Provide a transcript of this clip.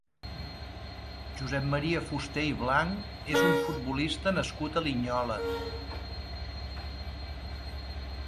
Josep Maria Fusté i Blanch és un futbolista nascut a Linyola.